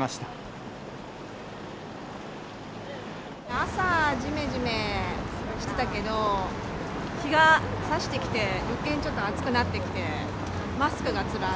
朝、じめじめしてたけど、日がさしてきて、よけいにちょっと暑くなってきて、マスクがつらい。